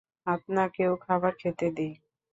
আপনাকেও খাবার খেতে দেই।